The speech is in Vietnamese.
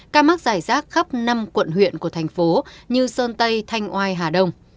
ca mắc giải rác khắp năm quận huyện của thành phố như sơn tây thanh oai hà đông